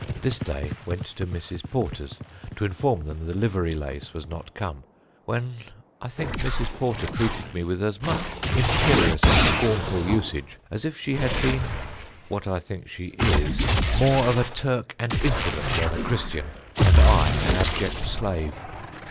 "This day went to Mrs. Porter's to inform them the livery lace was not come, when I think Mrs. Porter treated me with as much imperious and scornful usage as if she had been, what I think she is, more of a Turk and Infidel than a Christian, and I an abject slave.